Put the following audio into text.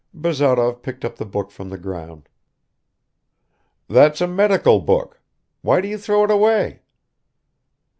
Bazarov picked up the book from the ground. "That's a medical book. Why do you throw it away?"